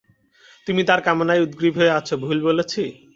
তুমি তার কামনায় উদগ্রীব হয়ে আছ, ভুল বলেছি?